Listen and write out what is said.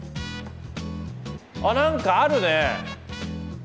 あっ何かあるね！